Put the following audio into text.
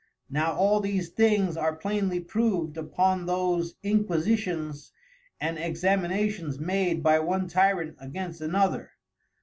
Now all these things are plainly prov'd upon those Inquisitions and Examinations made by one Tyrant against another.